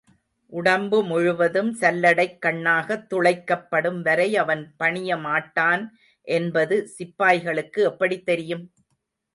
உடம்பு முழுவதும் சல்லடைக் கண்ணாகத் துளைக்கப்படும்வரை அவன் பணிய மாட்டான் என்பது சிப்பாய்களுக்கு எப்படித் தெரியும்?